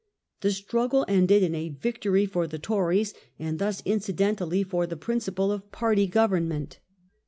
The struggle ended in a victory for the Tories, and thus incidentally for the principle of party government.